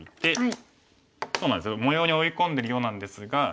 そうなんですよ模様に追い込んでるようなんですが。